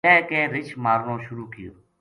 لہہ کے رچھ مارنو شروع کیو